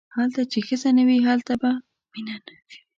هلته چې ښځه نه وي هلته به مینه نه وي.